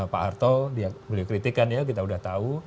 pak harto beliau kritikan ya kita udah tahu